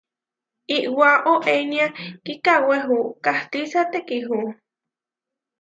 Iwá ohoénia kíkawéhu katisá thekíhu.